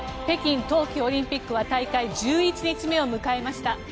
北京冬季オリンピックは大会１１日目を迎えました。